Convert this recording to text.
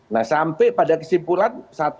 nah sampai pada kesimpulan satu dua tiga